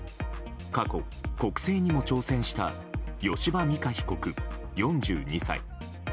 過去、国政にも挑戦した吉羽美華被告、４２歳。